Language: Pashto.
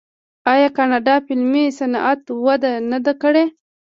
آیا د کاناډا فلمي صنعت وده نه ده کړې؟